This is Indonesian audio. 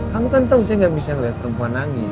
kamu kan tau saya gak bisa ngeliat perempuan nangis